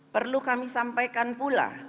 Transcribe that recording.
perlu kami sampaikan pula